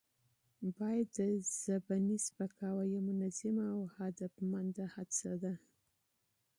بلکې د ژبني سپکاوي یوه منظمه او هدفمنده هڅه ده؛